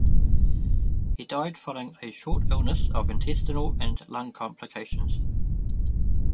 He died following a short illness of intestinal and lung complications.